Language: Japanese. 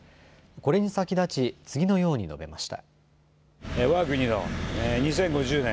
これに先立ち次のように述べました。